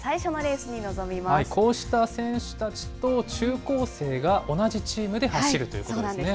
こうした選手たちと、中高生が同じチームで走るということですね。